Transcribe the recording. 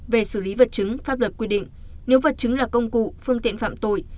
về xử lý vật chứng pháp luật quy định nếu vật chứng là công cụ phương tiện phạm tội